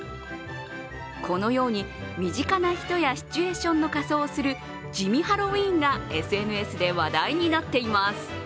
このように身近な人やシチュエーションの仮装をする地味ハロウィーンがＳＮＳで話題になっています。